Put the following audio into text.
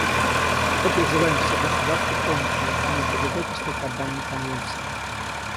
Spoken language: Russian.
Мы призываем все государства полностью выполнять обязательства по данной Конвенции.